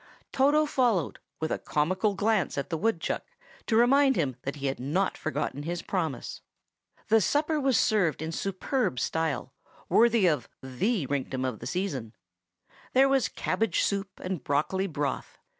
Toto followed, with a comical glance at the woodchuck, to remind him that he had not forgotten his promise. The supper was served in superb style, worthy of "the rinktum of the season." There was cabbage soup and broccoli broth.